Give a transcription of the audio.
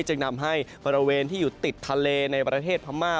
จึงนำให้บริเวณที่อยู่ติดทะเลในประเทศพม่า